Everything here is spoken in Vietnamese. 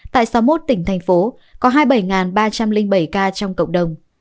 tại sáu mươi một tỉnh thành phố có hai mươi bảy ba trăm linh bảy ca trong cộng đồng